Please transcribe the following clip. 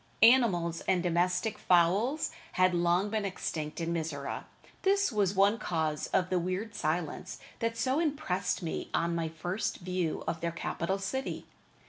Animals and domestic fowls had long been extinct in Mizora. This was one cause of the weird silence that so impressed me on my first view of their capital city.